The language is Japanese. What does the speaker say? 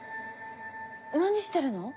何してるの？